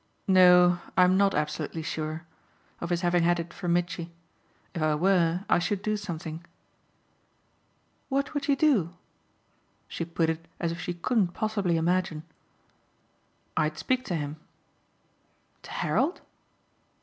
"No, I'm not absolutely sure of his having had it from Mitchy. If I were I should do something." "What would you do?" She put it as if she couldn't possibly imagine. "I'd speak to him." "To Harold?"